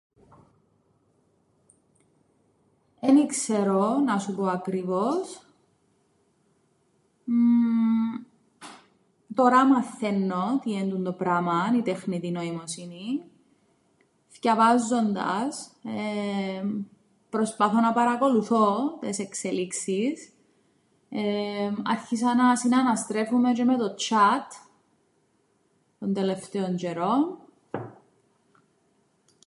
Εν ι-ξέρω να σου πω ακριβώς μμμ, τωρά μαθαίννω τι εν' τούντο πράμαν, η τεχνητή νοημοσύνη, θκιαβάζοντας εεεμ προσπαθώ να παρακολουθώ τες εξελίξεις εεεμ άρχισα να συναναστρέφουμαι τζ̆αι με το chat τον τελευταίον τζ̆αιρόν.